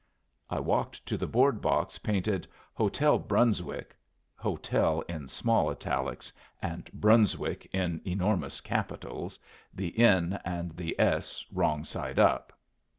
I walked to the board box painted "Hotel Brunswick" "hotel" in small italics and "Brunswick" in enormous capitals, the N and the S wrong side up.